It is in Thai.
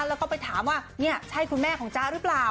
แล้วก็ไปถามว่านี่ใช่คุณแม่ของจ๊ะหรือเปล่า